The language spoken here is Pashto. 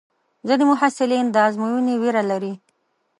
ځینې محصلین د ازموینې وېره لري.